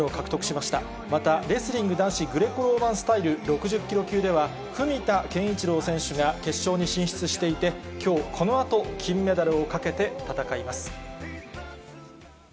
また、レスリング男子グレコローマンスタイル６０キロ級では、文田健一郎選手が決勝に進出していて、きょうこのあと、金メダルをかけて戦います。